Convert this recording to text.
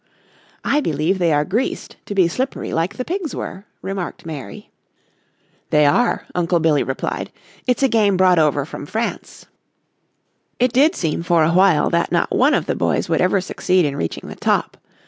"I believe they are greased to be slippery like the pigs were," remarked Mary. "They are," Uncle Billy replied, "it's a game brought over from France." It did seem for a while that not one of the boys ever would succeed in reaching the top.